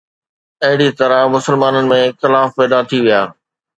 اهڙي طرح مسلمانن ۾ اختلاف پيدا ٿي ويا